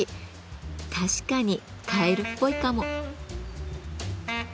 確かにカエルっぽいかも。